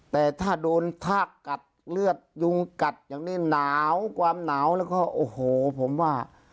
แต่ถ้าโดนทากกัดเลือดยุงกัดอย่างนี้หนาวความหนาวแล้วก็โอ้โหผมว่า